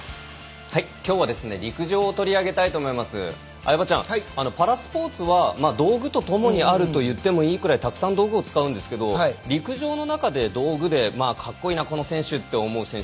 相葉ちゃん、パラスポーツは道具とともにあるといってもいいぐらいたくさん道具を使うんですが陸上の中で道具でかっこいいなこの選手と思う選手